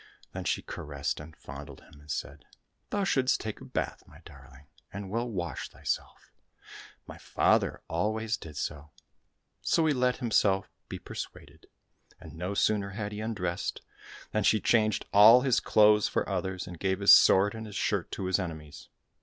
Then she caressed and fondled him, and said, " Thou shouldst take a bath, my darling, and well wash thyself. My father always did so." So he let himself be per suaded, and no sooner had he undressed than she changed all his clothes for others, and gave his sword and his shirt to his enemies.